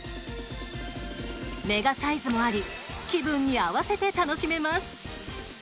メガサイズもあり気分に合わせて楽しめます。